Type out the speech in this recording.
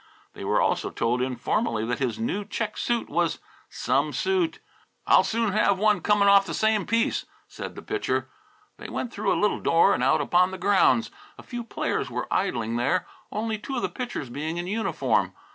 They were also told informally that his new check suit was some suit. "I'll soon have one coming off the same piece," said the Pitcher. They went through a little door and out upon the grounds. A few players were idling there, only two of the pitchers being in uniform.